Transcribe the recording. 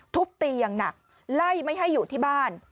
ทุบตีอย่างหนักไล่ไม่ให้อยู่ที่บ้าน